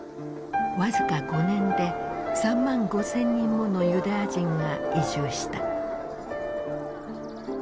僅か５年で３万５，０００人ものユダヤ人が移住した。